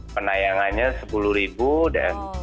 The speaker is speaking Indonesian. penayangannya rp sepuluh dan